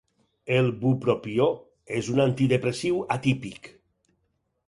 El bupropió és un antidepressiu atípic.